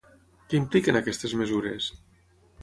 Què impliquen aquestes mesures?